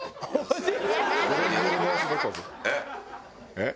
えっ？